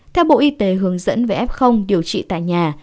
theo bộ y tế hướng dẫn về f điều trị tại nhà